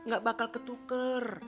gak bakal ketuker